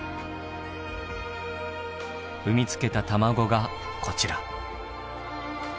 産み付けた卵がこちら。